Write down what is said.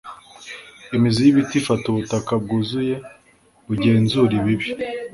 imizi y'ibiti ifata ubutaka bwuzuye, bugenzura ibibi